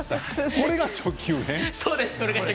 これが初級編？